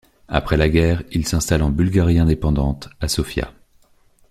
Après la guerre, il s'installe en Bulgarie indépendante, à Sofia.